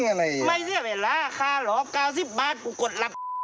เพราะไม่ติดต่อได้